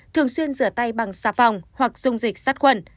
thường xuyên rửa tay bằng xà phòng hoặc dung dịch sát khuẩn